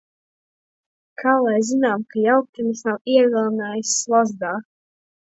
Kā lai zinām, ka jauktenis nav ievilinājis slazdā?